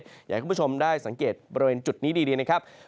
อยากให้คุณผู้ชมได้สังเกตบริเวณจุดนี้ดีนะครับ